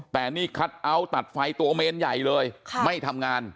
แต่นี่คัทเอาท์ตัดไฟตัวเมนใหญ่เลยไม่ทำงาน